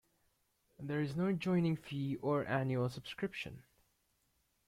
There is no joining fee or annual subscription.